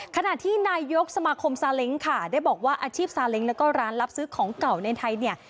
ขณะที่นายกสมาคมซาเล้งค่ะได้บอกว่าอาชีพซาเล้งแล้วก็ร้านรับซื้อของเก่าในไทยเนี่ย